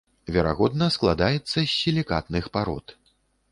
Верагодна складаецца з сілікатных парод.